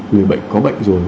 người bệnh có bệnh rồi